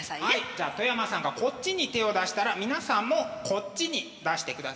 じゃあ外山さんがこっちに手を出したら皆さんもこっちに出してくださいね。